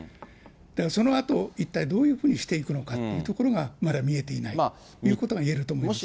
そのあと一体どういうふうにしていくのかというところがまだ見えていないということがいえると思います。